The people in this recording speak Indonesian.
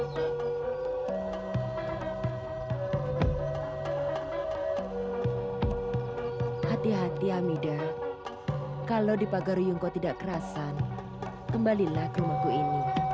saat ini kebelakangan begitu kelepasan